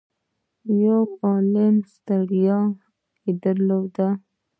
يو عالُم ستړيا يې درلوده.